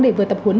để vừa tập huấn